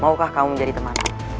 maukah kamu menjadi teman